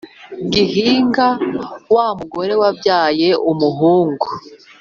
gihīga wa mugore wabyaye umuhungu.